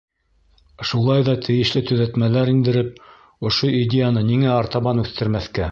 Шулай ҙа тейешле төҙәтмәләр индереп, ошо идеяны ниңә артабан үҫтермәҫкә?